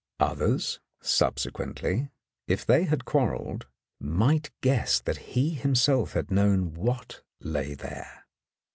Others, subsequently, if they quarrelled, might guess that he himself had known what lay there